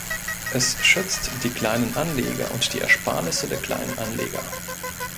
Es schützt die kleinen Anleger und die Ersparnisse der kleinen Anleger.